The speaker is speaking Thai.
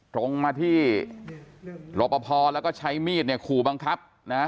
ตรงมาที่รปภแล้วก็ใช้มีดคู่บังคับ